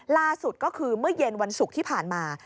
ล่าสุดก็คือเมื่อเย็นวันศุกร์ที่ผ่านมา